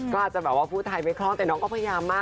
ก็อาจจะแบบว่าผู้ไทยไม่คล่องแต่น้องก็พยายามมาก